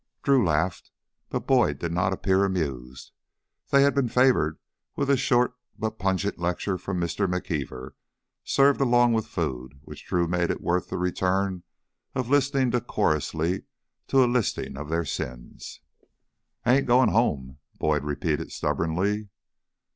Drew laughed, but Boyd did not appear amused. They had been favored with a short but pungent lecture from Mr. McKeever, served along with food, which to Drew made it worth the return of listening decorously to a listing of their sins. "I ain't goin' home," Boyd repeated stubbornly.